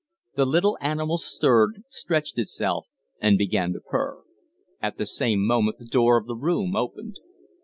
The little animal stirred, stretched itself, and began to purr. At the same moment the door of the room opened.